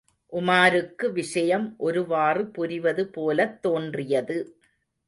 உமாருக்கு விஷயம் ஒருவாறு புரிவது போலத் தோன்றியது.